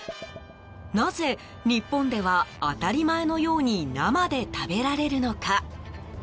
なぜ日本では当たり前のように生で食べられるのか。